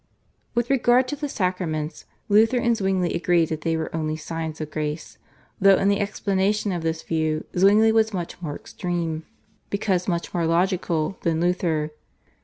With regard to the Sacraments Luther and Zwingli agreed that they were only signs of grace, though in the explanation of this view Zwingli was much more extreme, because much more logical, than Luther.